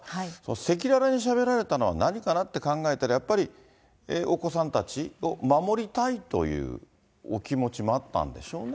赤裸々にしゃべられたのは何かなって考えたら、やっぱり、お子さんたちを守りたいというお気持ちもあったんでしょうね。